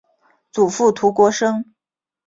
祖父涂国升。